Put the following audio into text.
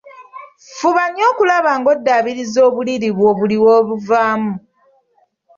Fuba nnyo okulaba ng'oddaabiriza obuliri bwo buli lw‘obuvaamu.